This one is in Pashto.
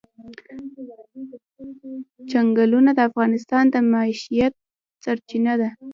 چنګلونه د افغانانو د معیشت سرچینه ده.